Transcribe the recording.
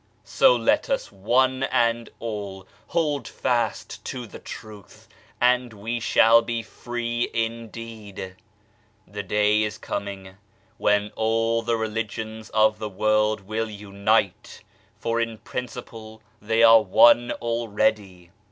So let us one and all hold fast to Truth, and we shall be free indeed I The day is coming when all the religions of the world will unite, for in principle they are one already.